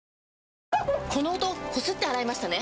この音こすって洗いましたね？